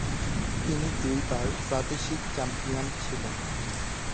তিনি দুইবার প্রাদেশিক চ্যাম্পিয়ন ছিলেন।